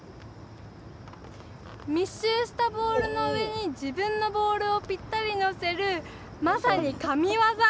密集したボールの上に自分のボールをぴったり乗せるまさに神業。